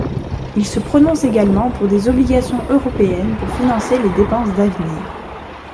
Il se prononce également pour des obligations européennes pour financer les dépenses d'avenir.